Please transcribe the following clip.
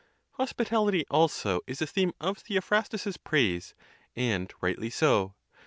Hospitality also is a theme of Theophrastus's praise, Another ejt and rightly so.